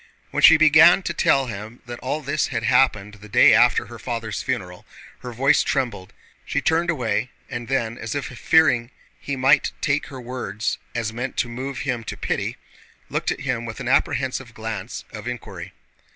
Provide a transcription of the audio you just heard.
When she began to tell him that all this had happened the day after her father's funeral, her voice trembled. She turned away, and then, as if fearing he might take her words as meant to move him to pity, looked at him with an apprehensive glance of inquiry.